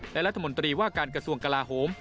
และรัฐมนตรีว่าการกระทรวงกลาโหม